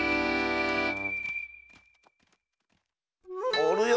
おるよ